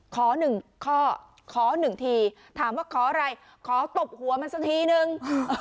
ขอหนึ่งข้อขอหนึ่งทีถามว่าขออะไรขอตบหัวมันสักทีนึง